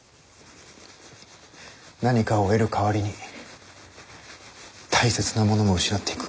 何かを得る代わりに大切なものも失っていく。